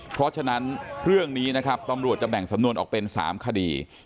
เพราะฉะนั้นเรื่องนี้นะครับตำรวจจะแบ่งสำนวนออกเป็น๓คดี